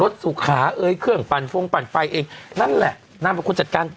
สุขาเอ่ยเครื่องปั่นฟงปั่นไฟเองนั่นแหละนางเป็นคนจัดการ